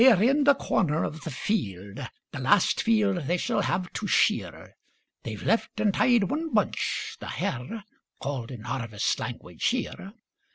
END OF in the corner of the field, * The last field they shall have to shear, They've left and tied one bunch, * the hare/ Called in harvest language here.